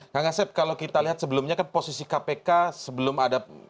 kang asep kalau kita lihat sebelumnya kan posisi kpk sebelum ada